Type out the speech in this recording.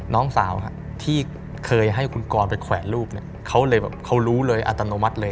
น้องสาวที่เคยให้คุณกรไปแขวนรูปเนี่ยเขาเลยแบบเขารู้เลยอัตโนมัติเลย